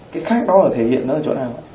cái khác đó thể hiện ở chỗ nào